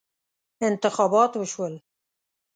انتخابات وشول.